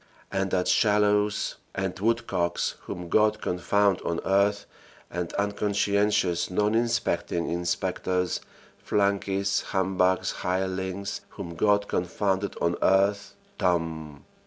and that Shallows and Woodcocks, whom God confound on earth, and unconscientious non inspecting inspectors, flunkeys, humbugs, hirelings, whom God confound on earth ("TOMB!")